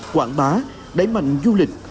quảng bá đẩy mạnh du lịch